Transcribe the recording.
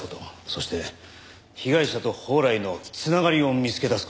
そして被害者と宝来の繋がりを見つけ出す事。